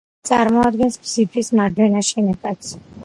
წარმოადგენს ბზიფის მარჯვენა შენაკადს.